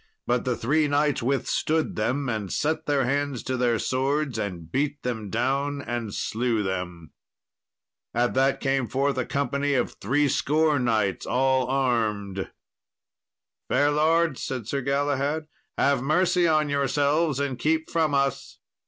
But the three knights withstood them, and set their hands to their swords, and beat them down and slew them. At that came forth a company of threescore knights, all armed. "Fair lords," said Sir Galahad, "have mercy on yourselves and keep from us."